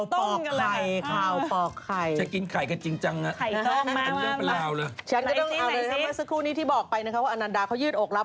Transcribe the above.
เปิดหรือไม่เปิดเนี่ยเป็นมารู้กัน